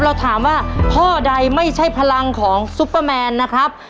เราถามว่าข้อใดไม่ใช่พลังของซุปเปอร์แมนนะครับ